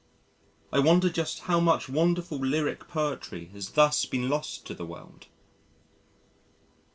I wonder just how much wonderful lyric poetry has thus been lost to the world!